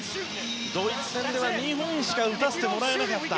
ドイツ戦では２本しか打たせてもらえなかった。